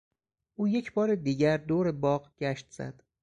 او یک بار دیگر دور باغ گشت زد.